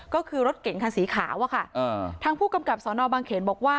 ก็คือรถเก่งคันสีขาวอะค่ะทางผู้กำกับสอนอบางเขนบอกว่า